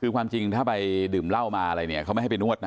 คือความจริงถ้าไปดื่มเหล้ามาอะไรเนี่ยเขาไม่ให้ไปนวดนะ